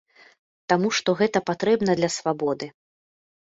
Таму што гэта патрэбна для свабоды.